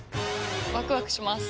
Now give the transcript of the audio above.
ワクワクします。